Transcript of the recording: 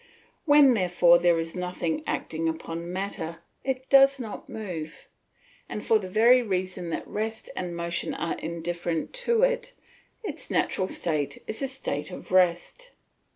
When, therefore, there is nothing acting upon matter it does not move, and for the very reason that rest and motion are indifferent to it, its natural state is a state of rest.